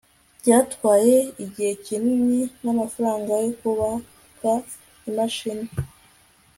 byatwaye igihe kinini namafaranga yo kubaka imashini